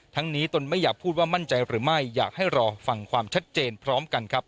นี้ตนไม่อยากพูดว่ามั่นใจหรือไม่อยากให้รอฟังความชัดเจนพร้อมกันครับ